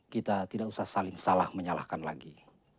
kita tidak usah saling salah menyalahkan lagi